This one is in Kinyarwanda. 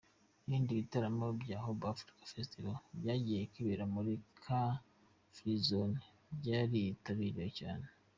Ibindi bitaramo bya Hobe Africa Festival byagiye bibera muri Car Free Zone, byaritabiriwe cyane.